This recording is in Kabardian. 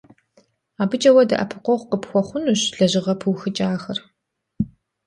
АбыкӀэ уэ дэӀэпыкъуэгъу къыпхуэхъунущ лэжьыгъэ пыухыкӀахэр.